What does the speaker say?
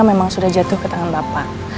memang sudah jatuh ke tangan bapak